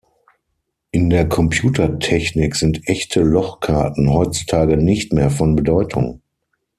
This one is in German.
In der Computertechnik sind echte Lochkarten heutzutage nicht mehr von Bedeutung.